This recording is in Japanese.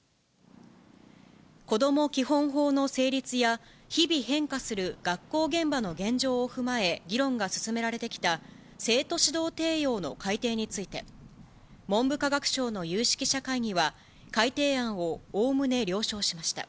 こども基本法の成立や、日々変化する学校現場の現状を踏まえ、議論が進められてきた生徒指導提要の改訂について、文部科学省の有識者会議は、改訂案をおおむね了承しました。